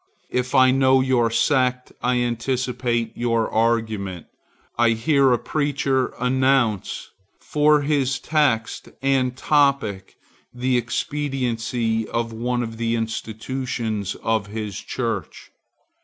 If I know your sect, I anticipate your argument. I hear a preacher announce for his text and topic the expediency of one of the institutions of his church.